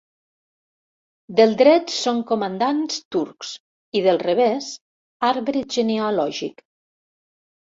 Del dret són comandants turcs i del revés arbre genealògic.